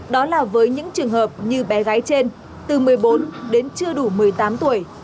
đó là với những trường hợp như bé gái trên từ một mươi bốn đến chưa đủ một mươi tám tuổi